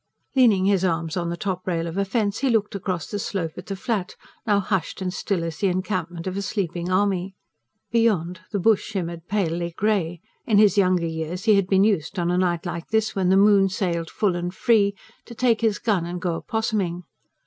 Leaning his arms on the top rail of a fence, he looked across the slope at the Flat, now hushed and still as the encampment of a sleeping army. Beyond, the bush shimmered palely grey in his younger years he had been used, on a night like this when the moon sailed full and free, to take his gun and go opossuming.